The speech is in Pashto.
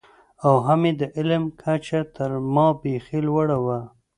او هم یې د علم کچه تر ما بېخي لوړه وه.